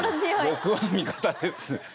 僕は味方です。